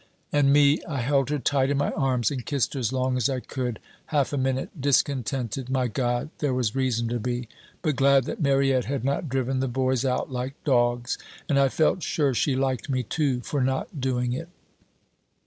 "And me, I held her tight in my arms and kissed her as long as I could half a minute discontented my God, there was reason to be but glad that Mariette had not driven the boys out like dogs, and I felt sure she liked me too for not doing it.